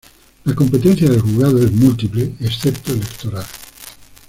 La competencia del juzgado es múltiple, excepto electoral.